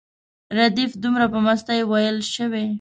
ردیف دومره په مستۍ ویل شوی.